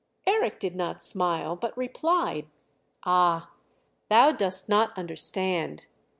Eric did not smile but replied: "Ah! thou dost not understand.